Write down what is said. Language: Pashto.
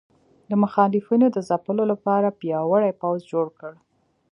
د مخالفینو د ځپلو لپاره پیاوړی پوځ جوړ کړ.